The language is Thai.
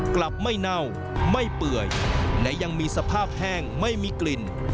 กลับไม่เน่าไม่เปื่อยและยังมีสภาพแห้งไม่มีกลิ่น